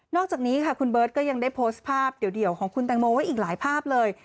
อกจากนี้ค่ะคุณเบิร์ตก็ยังได้โพสต์ภาพเดี่ยวของคุณแตงโมไว้อีกหลายภาพเลย